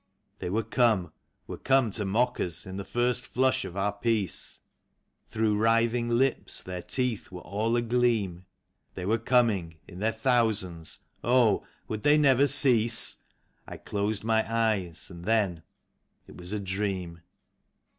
They were come, were come to mock us, in the first flush of our peace; Through writhing lips their teeth were all agleam; They were coming in their thousands — oh, would they never cease ! I closed my eyes, and then — it was a dream.